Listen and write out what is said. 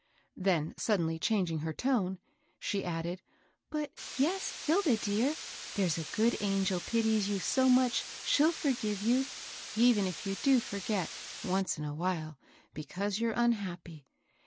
" Then suddenly changing her tone, she added, "But yes, Hilda dearl there's a good an gel pities you so much she'll forgive you, even if you do forget, once in a while, because you're un happy.